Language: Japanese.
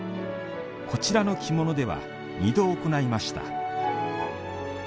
こちらの着物では二度行いました。